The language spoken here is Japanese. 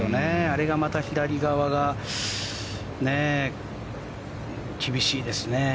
あれがまた左側が厳しいですね。